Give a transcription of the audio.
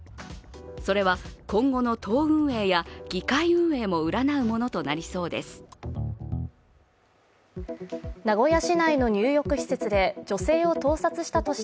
それは今後の党運営や議会運営も占うものとなりそうです。